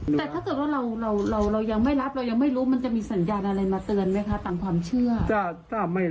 แต่ถ้าเกิดว่าเราเรายังไม่รับ